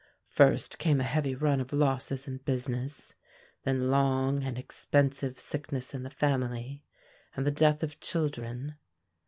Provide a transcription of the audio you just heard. First came a heavy run of losses in business; then long and expensive sickness in the family, and the death of children.